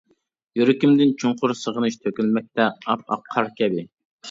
يۈرىكىمدىن چوڭقۇر سېغىنىش، تۆكۈلمەكتە ئاپئاق قار كەبى.